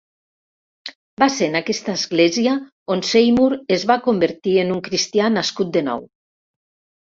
Va ser en aquesta església on Seymour es va convertir en un cristià nascut de nou.